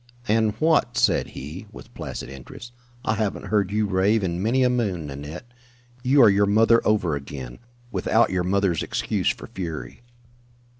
"And what?" said he, with placid interest. "I haven't heard you rave in many a moon, Nanette. You are your mother over again without your mother's excuse for fury."